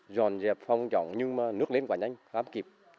giòn dẹp phong trọng nhưng mà nước lên quá nhanh quá kịp